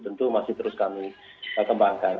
tentu masih terus kami kembangkan